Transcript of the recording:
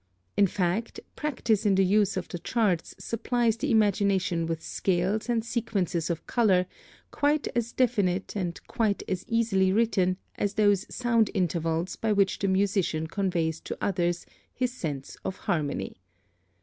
In fact, practice in the use of the charts supplies the imagination with scales and sequences of color quite as definite and quite as easily written as those sound intervals by which the musician conveys to others his sense of harmony.